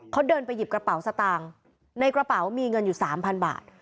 เขาเดินไปหยิบกระเป๋าสตางค์ในกระเป๋ามีเงินอยู่๓๐๐บาท